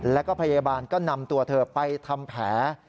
แล้วก็พยาบาลก็นำตัวเธอไปทำแผล